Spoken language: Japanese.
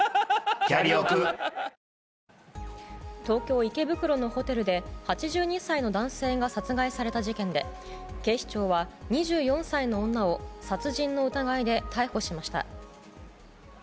東京・池袋のホテルで８２歳の男性が殺害された事件で警視庁は２４歳の女を殺人の疑いで逮捕しました。